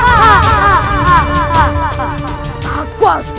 apa yang kamu lakukan